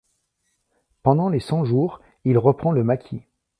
Pendant les Cent-Jours, il reprend le maquis.